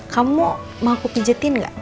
kamu mau aku pijetin gak